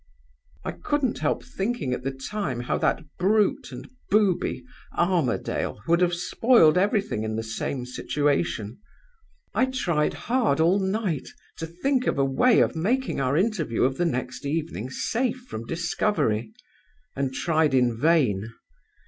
I couldn't help thinking at the time how that brute and booby Armadale would have spoiled everything in the same situation. "I tried hard all night to think of a way of making our interview of the next evening safe from discovery, and tried in vain.